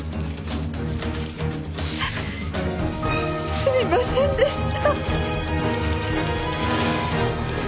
すみませんでした。